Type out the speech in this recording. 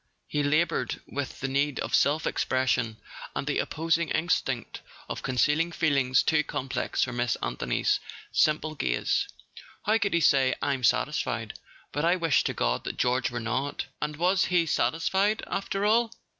He laboured with the need of self expression, and the opposing instinct of concealing feelings too complex for Miss Anthony's simple gaze. How could he say: "I'm satisfied; but I wish to God that George were not" ? And was he satis¬ fied, after all?